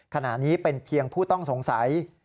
ขณะนี้เป็นเพียงผู้ต้องสงสัย